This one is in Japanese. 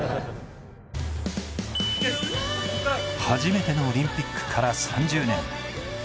初めてのオリンピックから３０年。